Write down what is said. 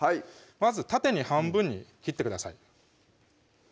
まず縦に半分に切ってください